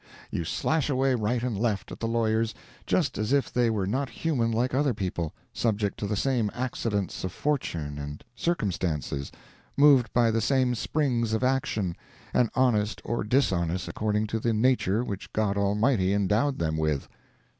You slash away right and left at the lawyers, just as if they were not human like other people, subject to the same accidents of fortune and circumstances, moved by the same springs of action, and honest or dishonest according to the nature which God Almighty endowed them with.